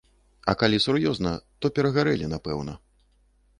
А калі сур'ёзна, то перагарэлі, напэўна.